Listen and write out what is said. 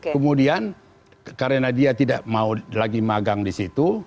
kemudian karena dia tidak mau lagi magang di situ